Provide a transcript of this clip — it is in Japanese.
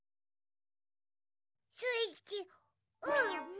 スイッチオン！